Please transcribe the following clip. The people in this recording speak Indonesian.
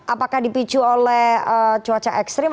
apakah dipicu oleh cuaca ekstrim